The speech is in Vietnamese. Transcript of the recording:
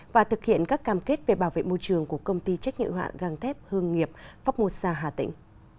và thực hiện các cam kết về bảo vệ môi trường của công ty trách nhiệm họa găng thép hương nghiệp pháp mô sa hà tĩnh